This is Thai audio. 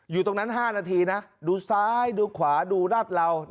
อยู่ตรงนั้น๕นาทีนะดูซ้ายดูขวาดูราดเหลา